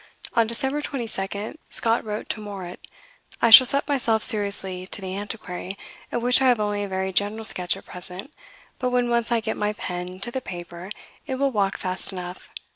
On December 22 Scott wrote to Morritt: "I shall set myself seriously to 'The Antiquary,' of which I have only a very general sketch at present; but when once I get my pen to the paper it will walk fast enough.